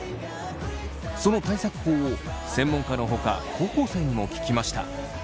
その対策法を専門家のほか高校生にも聞きました。